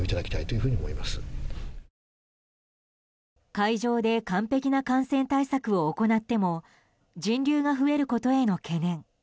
会場で完璧な感染対策を行っても人流が増えることへの懸念。